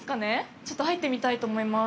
ちょっと入ってみたいと思います。